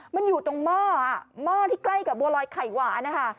มันอยู่ตรงหม้อหม้อที่ใกล้กับบัวลอยไข่หวานนะคะ